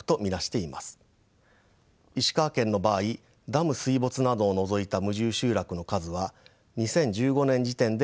石川県の場合ダム水没などを除いた無住集落の数は２０１５年時点で３３か所